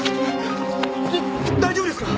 大丈夫ですか？